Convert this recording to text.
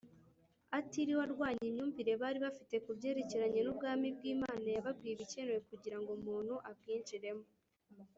atiriwe arwanya imyumvire bari bafite ku byerekeranye n’ubwami bw’imana, yababwiye ibikenewe kugira ngo umuntu abwinjiremo,